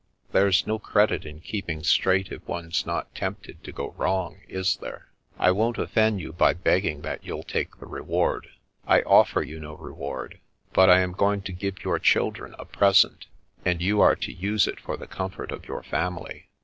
There's no credit in keeping straight if one's not tempted to go wrong, is there? I won't offend you by begging that you'll take the reward. I offer you no reward, but I am going to give your children a present, and you are to use it for the comfort of your family.